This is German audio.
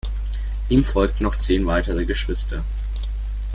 Ihm folgten noch zehn weitere Geschwister.